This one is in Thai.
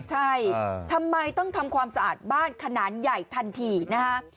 ใช่ทำไมต้องทำความสะอาดบ้านขนาดใหญ่ทันทีนะฮะ